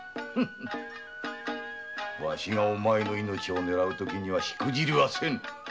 ワシがお前の命をねらう時にはしくじりはせぬ。